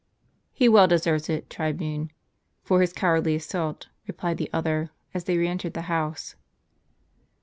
"He well deserves it, tribune, for his cowardly assault," replied the other, as they re entered the house.